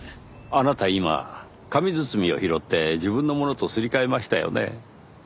あなた今紙包みを拾って自分のものとすり替えましたよね？